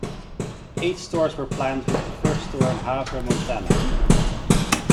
Eight stores were planned with the first store in Havre, Montana.